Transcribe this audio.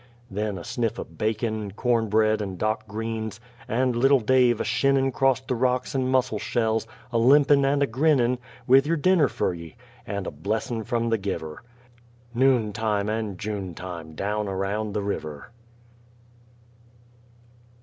Then a sniff o' bacon, Corn bread and 'dock greens and little Dave a shinnin' 'Crost the rocks and mussel shells, a limpin' and a grinnin', With yer dinner fer ye, and a blessin' from the giver. Noon time and June time down around the river!